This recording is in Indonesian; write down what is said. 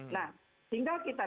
nah tinggal kita lihat apakah